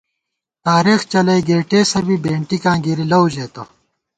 تارېخ چلَئ گېٹېسہ بی بېنٹاں گِرِی لَؤ ژېتہ